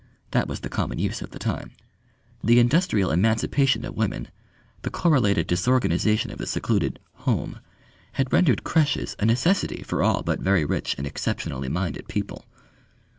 That was the common use of the time. The industrial emancipation of women, the correlated disorganisation of the secluded "home," had rendered creches a necessity for all but very rich and exceptionally minded people.